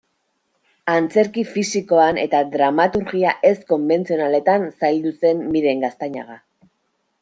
Antzerki fisikoan eta dramaturgia ez-konbentzionaletan zaildu zen Miren Gaztañaga.